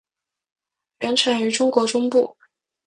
原产于中国中部。